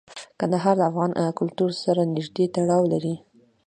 کندهار د افغان کلتور سره نږدې تړاو لري.